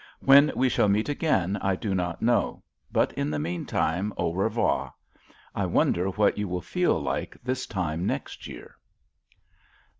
When we shall meet again I do not know, but, in the meantime, au revoir. I wonder what you will feel like this time next year?"